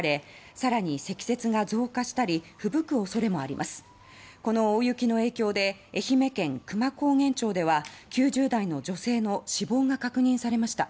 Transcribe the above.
この大雪の影響でこの影響で愛媛県久万高原町では９０代の女性の死亡が確認されました。